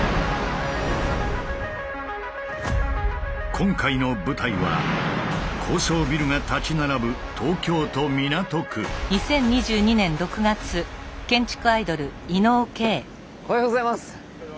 今回の舞台は高層ビルが立ち並ぶおはようございます！